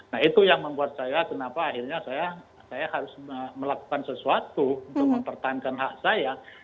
nah itu yang membuat saya kenapa akhirnya saya harus melakukan sesuatu untuk mempertahankan hak saya